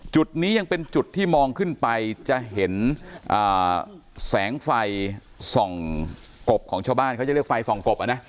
จุดนี้ยังเป็นจุดที่มองขึ้นไปจะเห็นแสงไฟส่องกบของชาวบ้านเขาจะเรียกไฟส่องกบนะ